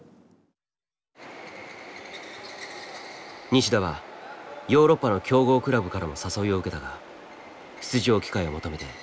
西田はヨーロッパの強豪クラブからも誘いを受けたが出場機会を求めて